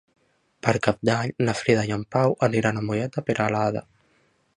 Per Cap d'Any na Frida i en Pau aniran a Mollet de Peralada.